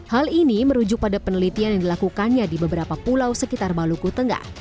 hal ini merujuk pada penelitian yang dilakukannya di beberapa pulau sekitar maluku tengah